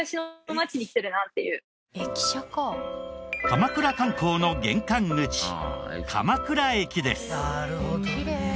鎌倉観光の玄関口鎌倉駅です。